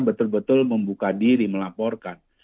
betul betul membuka diri melaporkan